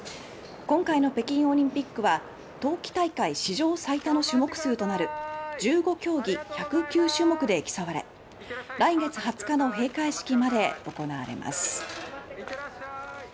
今回の北京オリンピックは冬季大会史上最多の種目数となる１５競技１０９種目で競われ２月２０日の閉会式まで行われます。